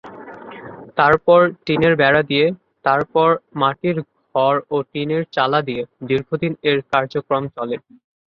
তার পর টিনের বেড়া দিয়ে, তারপর মাটির ঘর ও টিনের চালা দিয়ে দীর্ঘদিন এর কার্যক্রম চলে।